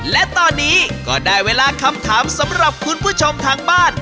และตอนนี้ก็ได้เวลาคำถามสำหรับคุณผู้ชมทางบ้าน